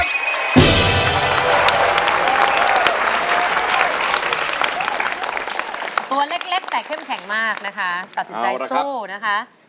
ตัวเล็กแต่เข้มแข็งมากนะคะตัดสินใจสู้นะคะ